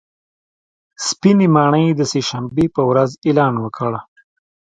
سپینې ماڼۍ د سې شنبې په ورځ اعلان وکړ